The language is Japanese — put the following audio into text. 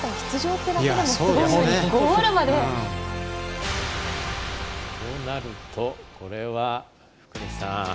となると、これは福西さん